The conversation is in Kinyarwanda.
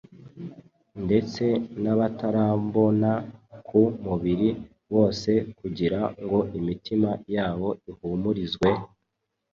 ndetse n’abatarambona ku mubiri bose kugira ngo imitima yabo ihumurizwe,